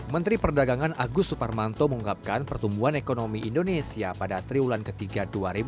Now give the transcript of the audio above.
menteri perdagangan agus suparmanto mengungkapkan pertumbuhan ekonomi indonesia pada triwulan ketiga dua ribu dua puluh